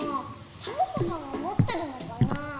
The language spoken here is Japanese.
サボ子さんがもってるのかなあ。